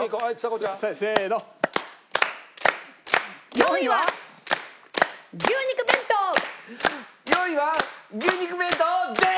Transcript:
４位は牛肉弁当です！